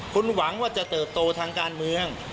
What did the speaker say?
คุณหวังว่าจะเติบโตทางการเมือง